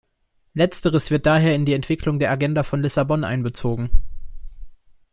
Letzteres wird daher in die Entwicklung der Agenda von Lissabon einbezogen.